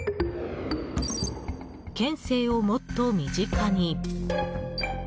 「県政をもっと身近かに」